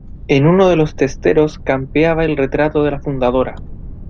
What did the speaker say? en uno de los testeros campeaba el retrato de la fundadora